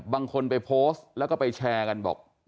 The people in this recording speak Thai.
บางคนไปโพสต์แล้วก็ไปแชร์กันบอก